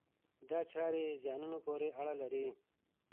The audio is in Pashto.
دا چارې زیانونو پورې اړه لري.